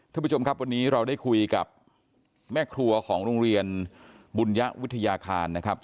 ท่านผู้ชมครับวันนี้เราได้คุยกับแม่ครัวของโรงเรียนบุญยวิทยาคารนะครับ